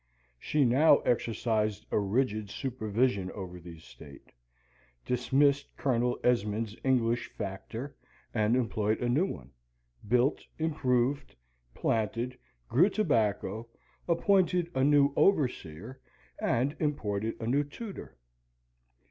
She now exercised a rigid supervision over the estate; dismissed Colonel Esmond's English factor and employed a new one; built, improved, planted, grew tobacco, appointed a new overseer, and imported a new tutor.